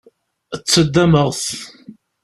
Ttaddameɣ-t.